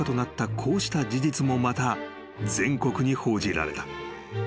こうした事実もまた全国に報じられた］